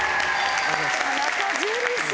田中樹さん。